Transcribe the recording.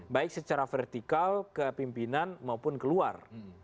baik secara vertikal ke pimpinan maupun keluar